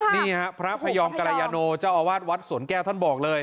นี่ฮะพระพยอมกรยาโนเจ้าอาวาสวัดสวนแก้วท่านบอกเลย